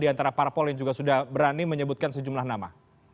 di antara parpol yang juga sudah berani menyebutkan sejumlah nama